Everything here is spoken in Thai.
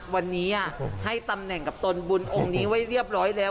วันนี้ให้ตำแหน่งกับตนบุญองค์นี้ไว้เรียบร้อยแล้ว